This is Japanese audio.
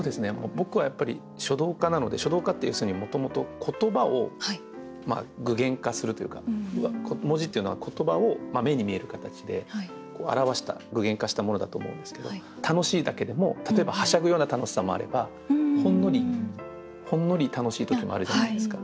僕はやっぱり書道家なので書道家って要するにもともと言葉を具現化するというか文字っていうのは言葉を目に見える形で表した具現化したものだと思うんですけど楽しいだけでも例えばはしゃぐような楽しさもあればほんのりほんのり楽しい時もあるじゃないですか。